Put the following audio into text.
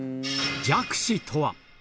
弱視とは。